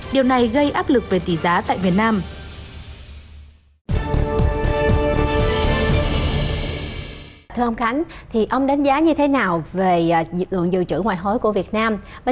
điều này gây áp lực về tỷ giá tại việt nam